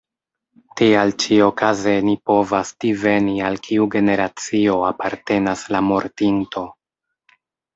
Tial ĉi-okaze ni povas diveni al kiu generacio apartenas la mortinto.